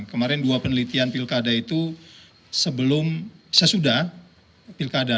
kemarin dua penelitian pilkada itu sebelum sesudah pilkada